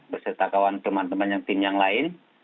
berserta teman teman tim yang lain